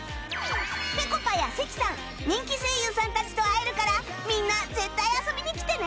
ぺこぱや関さん人気声優さんたちと会えるからみんな絶対遊びに来てね！